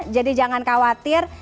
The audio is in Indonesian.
jadi jangan khawatir